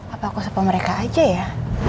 apa aku sama mereka aja ya